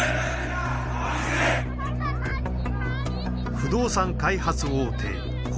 不動産開発大手恒